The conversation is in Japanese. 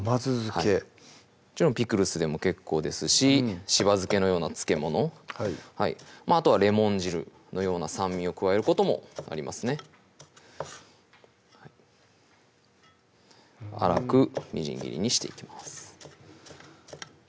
ピクルスでも結構ですししば漬けのような漬物あとはレモン汁のような酸味を加えることもありますね粗くみじん切りにしていきます